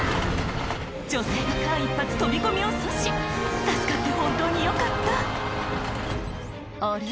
女性が間一髪飛び込みを阻止助かって本当によかったあれ？